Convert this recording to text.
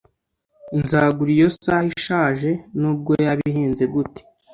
Nzagura iyo saha ishaje nubwo yaba ihenze gute